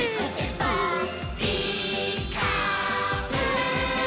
「ピーカーブ！」